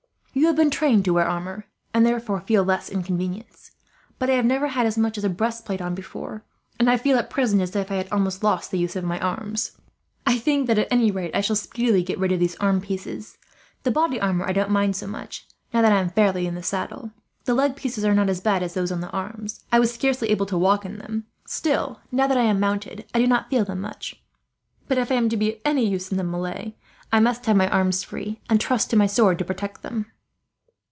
You have been trained to wear armour, and therefore feel less inconvenience; but I have never had as much as a breast plate on before, and I feel at present as if I had almost lost the use of my arms. I think that, at any rate, I shall speedily get rid of these arm pieces. The body armour I don't so much mind, now that I am fairly in the saddle. "The leg pieces are not as bad as those on the arms. I was scarcely able to walk in them; still, now that I am mounted, I do not feel them much. But if I am to be of any use in a melee, I must have my arms free, and trust to my sword to protect them."